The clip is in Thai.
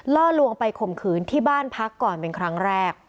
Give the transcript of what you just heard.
ล่อลวงไปข่มขืนที่บ้านพักก่อนเป็นครั้งแรก